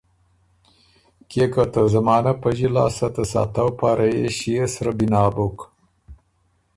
کيې که ته زمانه پݫی لاسته ته ساتؤ پاره يې ݭيې سرۀ بنا بُک۔